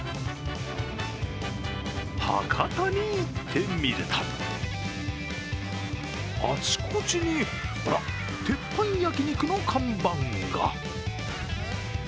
博多に行ってみると、あちこちに鉄板焼き肉の看板が。